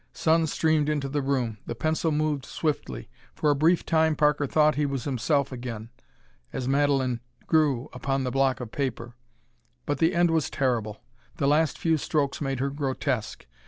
Sun streamed into the room; the pencil moved swiftly. For a brief time Parker thought that he was himself again, as Madelon grew upon the block of paper. But the end was terrible. The last few strokes made her grotesque.